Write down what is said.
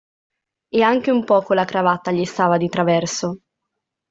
E anche un poco la cravatta gli stava di traverso.